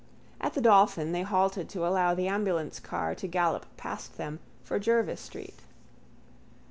At the Dolphin they halted to allow the ambulance car to gallop past them for Jervis street.